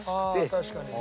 確かにね。